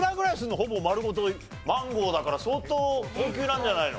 ほぼ丸ごとマンゴーだから相当高級なんじゃないの？